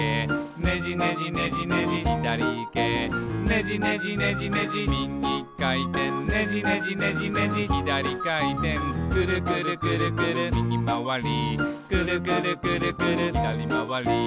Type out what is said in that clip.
「ねじねじねじねじみぎかいてん」「ねじねじねじねじひだりかいてん」「くるくるくるくるみぎまわり」「くるくるくるくるひだりまわり」